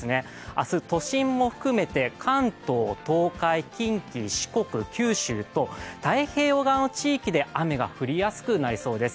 明日、都心も含めて関東、東海、近畿、四国、九州と太平洋側の地域で雨が降りやすくなりそうです。